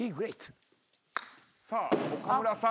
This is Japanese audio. さあ岡村さん